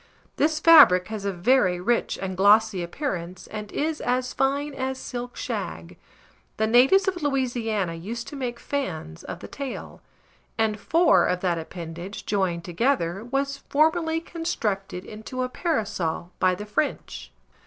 This fabric has a very rich and glossy appearance and is as fine as silk shag. The natives of Louisiana used to make fans of the tail; and four of that appendage joined together was formerly constructed into a parasol by the French.